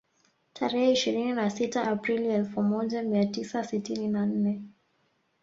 Tarehe ishirini na sita Aprili elfu moja mia tisa sitini na nne